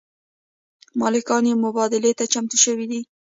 مالکان یې مبادلې ته چمتو شوي دي.